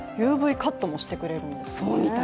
ＵＶカットもしてくれるんですね。